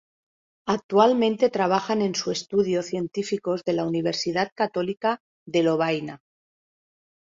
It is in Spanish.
Actualmente trabajan en su estudio científicos de la Universidad Católica de Lovaina.